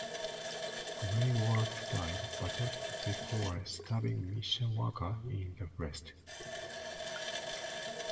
Grey Wolf died, but not before stabbing Mishawaka in the breast.